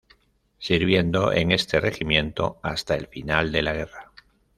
Sirviendo en este regimiento hasta el final de la guerra.